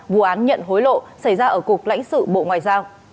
vụ án nhận hối lộ xảy ra ở cục lãnh sự bộ ngoại giao